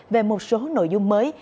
về một số nội dung mới